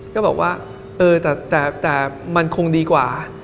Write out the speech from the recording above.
ก็บอกว่าเออแต่มันคงดีกว่า